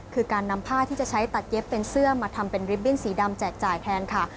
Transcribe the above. คือการนำผ้าที่จะใช้ตัดเย็บเป็นเสื้อมาทำเป็นริบบิ้นสีดำแจกจ่ายแทนค่ะ